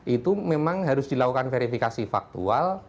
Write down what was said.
itu memang harus dilakukan verifikasi faktual